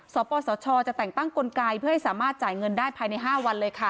สปสชจะแต่งตั้งกลไกเพื่อให้สามารถจ่ายเงินได้ภายใน๕วันเลยค่ะ